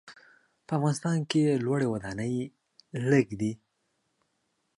په افغانستان کې لوړې ودانۍ لږ دي.